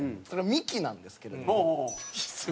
それミキなんですけれども。